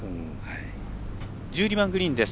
１２番グリーンです